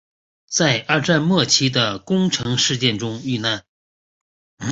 在二战末期的宫城事件中遇难。